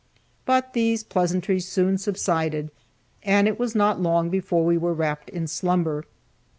But these pleasantries soon subsided, and it was not long before we were wrapped in slumber.